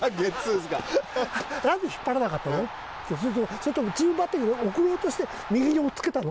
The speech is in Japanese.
「それともチームバッティングで送ろうとして右におっつけたの？」